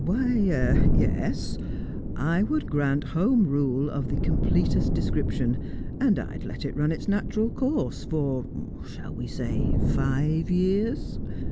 "Why, yes. I would grant Home Rule of the completest description, and I would let it run its natural course for shall we say five years?